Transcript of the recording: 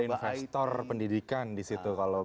investor pendidikan disitu kalau